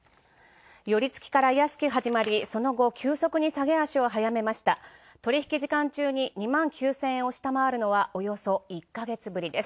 寄付きから安く始まり、その後、急速に下げ足を早めました取引時間中に２万９０００円を下回るのはおよそ１ヶ月ぶりです。